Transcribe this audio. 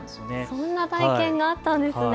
そんな体験があったんですね。